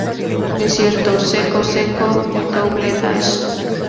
Desierto Seco-Seco de "Double Dash!!